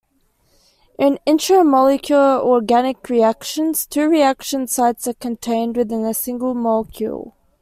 In intramolecular organic reactions, two reaction sites are contained within a single molecule.